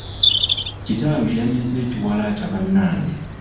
Kitange yameze ekiwalaata bannange!